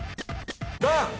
ドン！